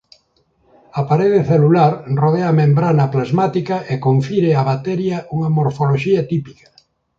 A parede celular rodea a membrana plasmática e confire á bacteria unha morfoloxía típica.